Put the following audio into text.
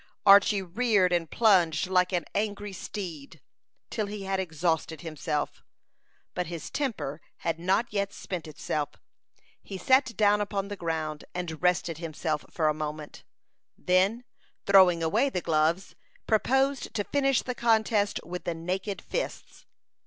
Archy reared and plunged like an angry steed, till he had exhausted himself; but his temper had not yet spent itself. He sat down upon the ground, and rested himself for a moment, then, throwing away the gloves, proposed to finish the contest with the naked fists.